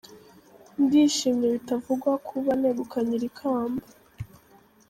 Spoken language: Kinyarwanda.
Ndishimye bitavugwa kuba negukanye iri kamba.